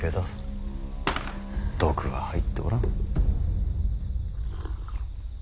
毒は入っておらん。